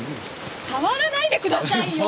触らないでくださいよ！